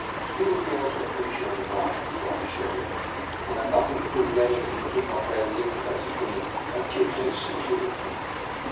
He would be able to appreciate a glass of dry sherry, and would have nothing to do with anything that did not bear the impress of being a gilt edged security.